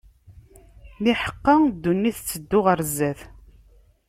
Niḥeqqa ddunit tetteddu ɣer zzat.